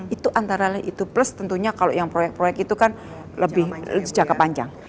itu antara lain itu plus tentunya kalau yang proyek proyek itu kan lebih jangka panjang